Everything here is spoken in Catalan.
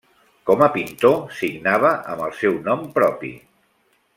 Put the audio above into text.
Com a pintor, signava amb el seu nom propi.